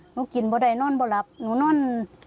หนูกินไม่ได้นอนไม่รับหนูนอน